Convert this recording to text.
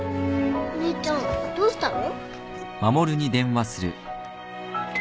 お姉ちゃんどうしたの？